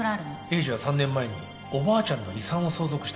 栄治は３年前におばあちゃんの遺産を相続したんだ。